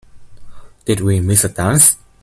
Did we miss a dance?